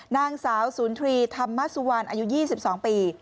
นางสาวสุนทรีย์ธรรมสุวรรณอายุ๒๒ปี